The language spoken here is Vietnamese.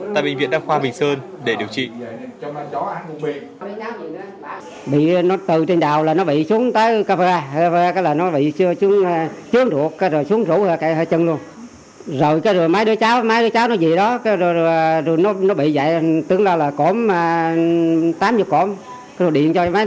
tại bệnh viện đa khoa bình sơn để điều trị